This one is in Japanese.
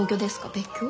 別居？